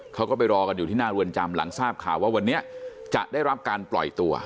เขาก็ไปรอกันอยู่ที่หน้าเรือนจำหลังทราบข่าวว่าวันนี้จะได้รับการปล่อยตัว